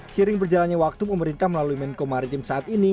sering berjalannya waktu pemerintah melalui menko maritim saat ini